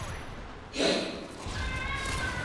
د یوه تن پاسپورټ یې چیک کړ او نورو ته یې اجازه ورکړه.